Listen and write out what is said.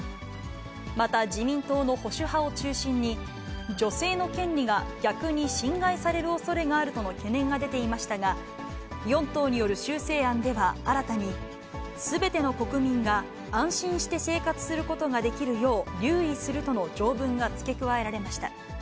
また、自民党の保守派を中心に、女性の権利が逆に侵害されるおそれがあるとの懸念が出ていましたが、４党による修正案では、新たに、すべての国民が安心して生活することができるよう、留意するとの条文が付け加えられました。